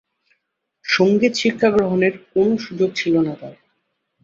সংগীত শিক্ষা গ্রহণের কোন সুযোগ ছিলনা তার।